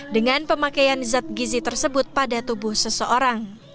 dengan pemakaian zat gizi tersebut pada tubuh seseorang